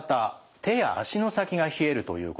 手や足の先が冷えるということ。